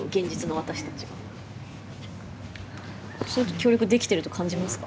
協力できてると感じますか？